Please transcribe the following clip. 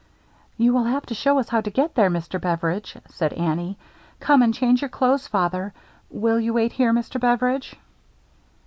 "You will have to show us how to get there, Mr. Beveridge," said Annie. " Come and change your clothes, father. Will you wait here, Mr. Beveridge?"